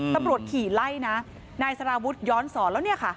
ตำรวจขี่ไล่นะนายสารวุฒิย้อนสอนแล้วเนี่ยค่ะ